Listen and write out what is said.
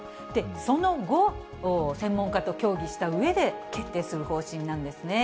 その後、専門家と協議したうえで、決定する方針なんですね。